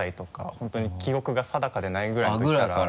本当に記憶が定かでないぐらいのときから。